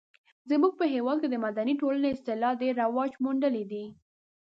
زموږ په هېواد کې د مدني ټولنې اصطلاح ډیر رواج موندلی دی.